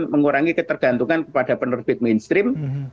mengurangi ketergantungan kepada penerbit mainstream